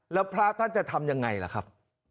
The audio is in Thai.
แล้วพระท่านจะทำยังไงล่ะครับ